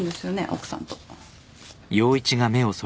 奥さんと。